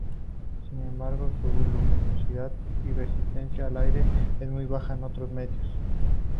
Sin embargo, su luminosidad y resistencia al aire es muy baja en otros medios.